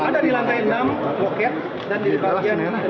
ada di lantai enam boket dan di bagian lantai dua belas